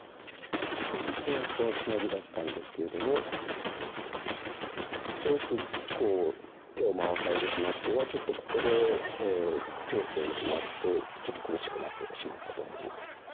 実戦はここのツナギだったんですけれどもここでこう手を回されてしまってはちょっとここでペースを失ってちょっと苦しくなってしまったと思います。